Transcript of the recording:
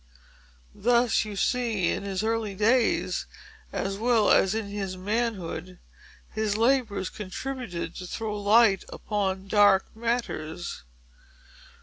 Thus, you see, in his early days, as well as in his manhood his labors contributed to throw light upon dark matters.